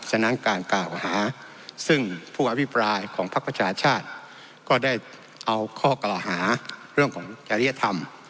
ฉะนั้นการกล่าวหาซึ่งผู้อภิปรายของพักประชาชาติก็ได้เอาข้อกล่าวหาเรื่องของจริยธรรม